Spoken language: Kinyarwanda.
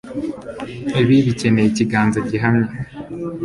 Ibi bikeneye ikiganza gihamye